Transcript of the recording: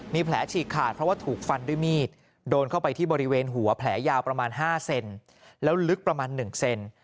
มีแผลฉีกขาดเพราะว่าถูกฟันด้วยมีดโดนเข้าไปที่บริเวณหัวแผลยาวประมาณ๕เซนแล้วลึกประมาณ๑เซน